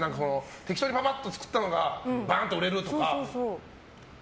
適当にパパッと作った方がパンと売れるみたいな。